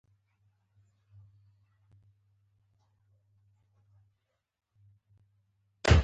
د زعفرانو پیاز کله وکرم؟